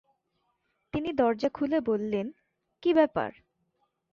তিনি দরজা খুলে বললেন, কি ব্যাপার?